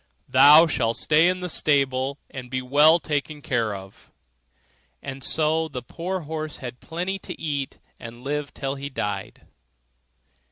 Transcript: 'Thou shalt stay in thy stable and be well taken care of.' And so the poor old horse had plenty to eat, and lived till he died.